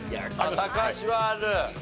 高橋はある。